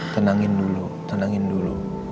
tenangin dulu tenangin dulu